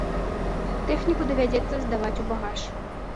Тэхніку давядзецца здаваць у багаж.